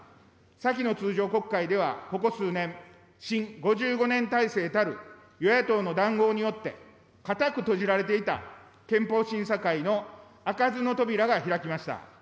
先の通常国会では、ここ数年、新５５年体制たる与野党の談合によって、固く閉じられていた憲法審査会の開かずの扉が開きました。